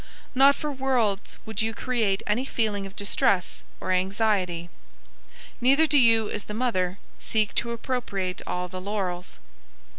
Not for worlds would you create any feeling of distress or anxiety. Neither do you, as the mother, seek to appropriate all the laurels.